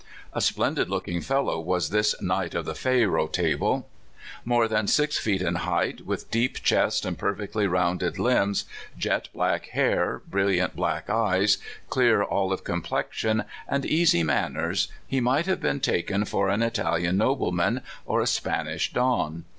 A splendid looking fellow was this knight of the faro table. More than six feet in height, with deep chest and perfectly rounded limbs, jet black hair, brilliant black eyes, clear olive complexion, and easy man ners, he might have been taken for an Italian no bleman or a Spanish Don.